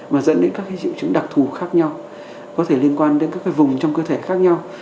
mà dẫn đến các triệu chứng đặc thù khác nhau có thể liên quan đến các vùng trong cơ thể khác nhau